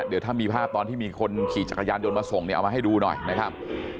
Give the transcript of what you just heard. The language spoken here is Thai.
เดี๋ยวถ้ามีภาพตอนที่มีคนขี่จักรยานยนต์มาส่งเนี่ยเอามาให้ดูหน่อยนะครับ